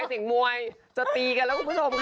สิ่งมวยจะตีกันแล้วคุณผู้ชมค่ะ